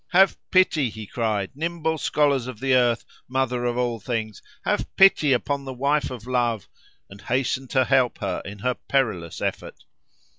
"Have pity," he cried, "nimble scholars of the Earth, Mother of all things!—have pity upon the wife of Love, and hasten to help her in her perilous effort."